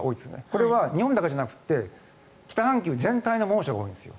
これは日本だけじゃなくて北半球全体の猛暑が多いんです。